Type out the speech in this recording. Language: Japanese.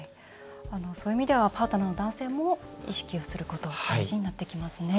そういう意味ではパートナーの男性も意識をすること大事になってきますね。